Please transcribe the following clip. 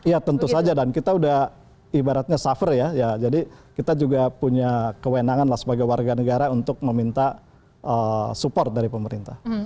ya tentu saja dan kita sudah ibaratnya suffer ya jadi kita juga punya kewenangan lah sebagai warga negara untuk meminta support dari pemerintah